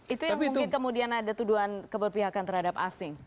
itu yang mungkin kemudian ada tuduhan keberpihakan terhadap asing